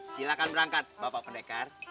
silahkan berangkat bapak pendekar